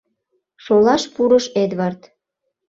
— шолаш пурыш Эдвард.